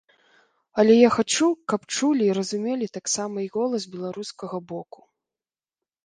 Але я хачу, каб чулі і разумелі таксама і голас беларускага боку.